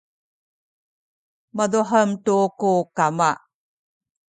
mazuhem tu ku kama